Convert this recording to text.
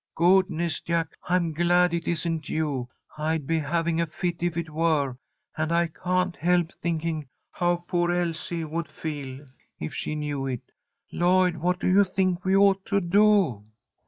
Goodness, Jack! I'm glad it isn't you. I'd be having a fit if it were, and I can't help thinking how poor Elsie would feel if she knew it. Lloyd, what do you think we ought to do?"